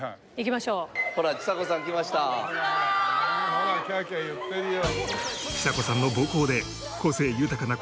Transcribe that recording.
ほらキャーキャー言ってるよ。